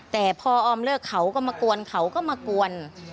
แต่พอออมเลิกเขาก็มากวนเขาก็มากวน